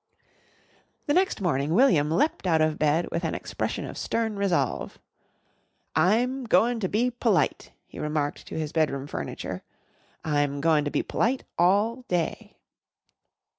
The next morning William leapt out of bed with an expression of stern resolve. "I'm goin' to be p'lite," he remarked to his bedroom furniture. "I'm goin' to be p'lite all day."